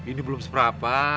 ini belum seberapa